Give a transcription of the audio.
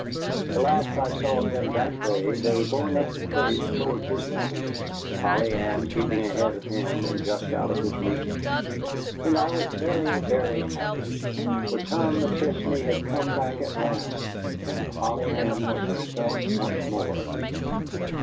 The last I saw of them that day they were going off up the trace towards his mother's, Polly Ann keeping ahead of him and just out of his reach. And I was very, very happy. For Tom McChesney had come back at last, and Polly Ann was herself once more.